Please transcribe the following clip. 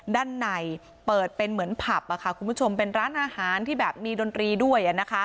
ด้านในเปิดเป็นเหมือนผับคุณผู้ชมเป็นร้านอาหารที่แบบมีดนตรีด้วย